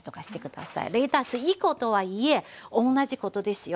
レタス１コとはいえ同じことですよ。